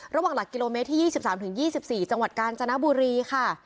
ระหว่างหลักกิโลเมตรที่ยี่สิบสามถึงยี่สิบสี่จังหวัดกาญจนบุรีค่ะ